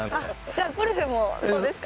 じゃあゴルフもそうですか？